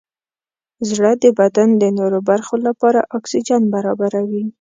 زړه د بدن د نورو برخو لپاره اکسیجن برابروي.